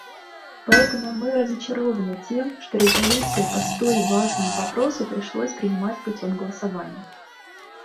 Поэтому мы разочарованы тем, что резолюцию по столь важному вопросу пришлось принимать путем голосования.